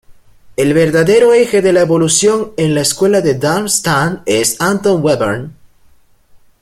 El verdadero eje de la evolución en la Escuela de Darmstadt es Anton Webern.